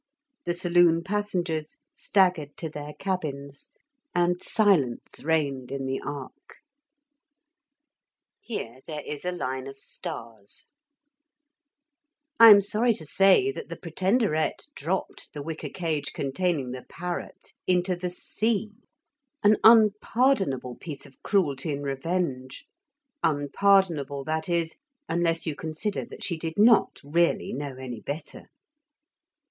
The saloon passengers staggered to their cabins. And silence reigned in the ark. I am sorry to say that the Pretenderette dropped the wicker cage containing the parrot into the sea an unpardonable piece of cruelty and revenge; unpardonable, that is, unless you consider that she did not really know any better.